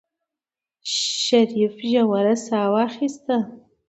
شريف عميقه سا واخيسته.